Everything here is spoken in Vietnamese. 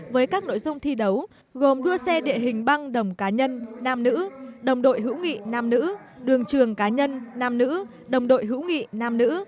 với các nội dung thi đấu gồm đua xe địa hình băng đồng cá nhân nam nữ đồng đội hữu nghị nam nữ đường trường cá nhân nam nữ đồng đội hữu nghị nam nữ